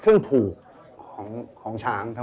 ชื่องนี้ชื่องนี้ชื่องนี้ชื่องนี้ชื่องนี้